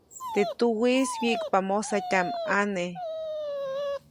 Teʼ tuwiʼis wyiʼkpa mosatyaʼm ʼane.